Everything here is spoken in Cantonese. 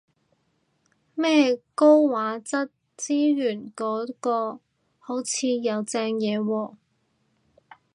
咩高畫質資源嗰個好似有正嘢喎